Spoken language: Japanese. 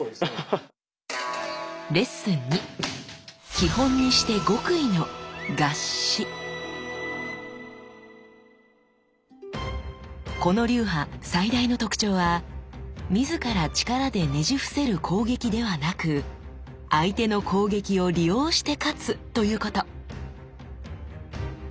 基本にしてこの流派最大の特徴は自ら力でねじ伏せる攻撃ではなく相手の攻撃を利用して勝つということ。